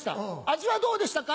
味はどうでしたか？